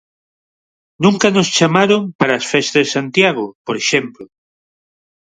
Nunca nos chamaron para as festas de Santiago, por exemplo.